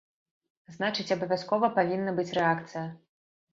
Значыць, абавязкова павінна быць рэакцыя.